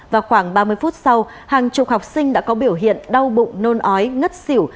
vào khoảng ba mươi phút sau hàng chục học sinh đã có biểu hiện đau bụng nôn ói ngất xỉu